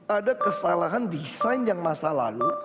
ada kesalahan desain yang masa lalu